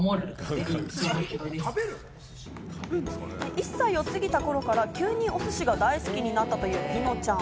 １歳を過ぎた頃から急におすしが大好きになったというピノちゃん。